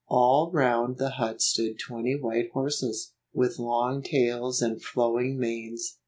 All round the hut stood twenty white horses, with long tails and flowing manes.